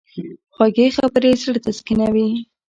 خوږې خبرې زړه تسکینوي.